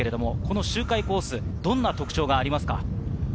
周回コース、どんな特徴がありますか？